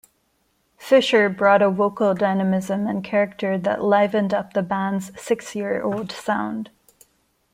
Fisher brought a vocal dynamism and character that livened up the band's six-year-old sound.